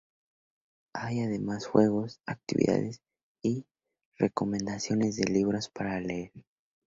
Hay además juegos, actividades y recomendaciones de libros para leer.